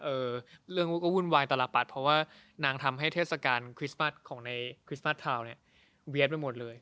เออเรื่องตั๊ะก็วุ่นวายตลาดปัดเพราะว่านางทำให้เทศกรรมคลิสมาสของในคลิสมาสเทาเวียดไปหมดเลย